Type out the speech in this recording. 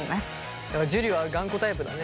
だから樹は頑固タイプだね。